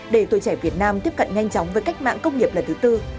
để tuổi trẻ việt nam tiếp cận nhanh chóng với cách mạng công nghiệp lần thứ tư